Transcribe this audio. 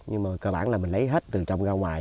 nhưng mà cơ bản là mình lấy hết từ trong ra ngoài